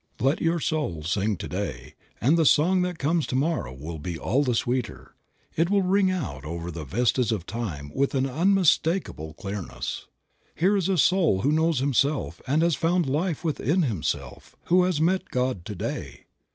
Let your soul sing to day and the song that comes to morrow will be all the sweeter, will ring out over the vistas of time with an unmistakable clearness. Here is a soul who knows himself and has found life within himself, who has met God to day.